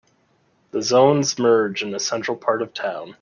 The zones merge in the central part of town.